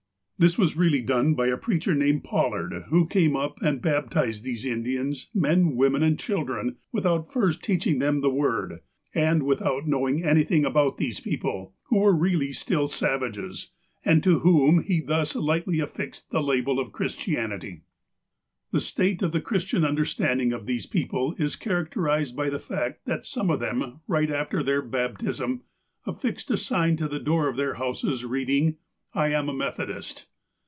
This was really done by a preacher, named Pollard, who came up and baptized these Indians, men, women, and children, without first teaching them the word, and without knowing anything about these people, who were really still savages, and to whom he thus lightly affixed the label of Christianity. 254 THE APOSTLE OF ALASKA The state of the Christian understanding of these people is characterized by the fact that some of them, right after their baptism, affixed a sign to the door of their houses, reading : ''I am a Methodist."